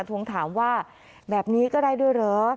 ทวงถามว่าแบบนี้ก็ได้ด้วยเหรอ